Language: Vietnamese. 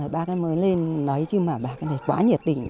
bác ấy mới lên lấy chứ mà bác ấy quá nhiệt tình